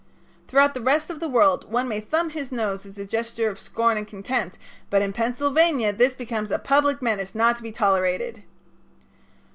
Throughout the rest of the world one may thumb his nose as a gesture of scorn and contempt, but in Pennsylvania this becomes a public menace not to be tolerated.